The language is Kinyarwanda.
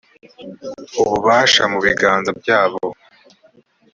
ububasha mu biganza byabo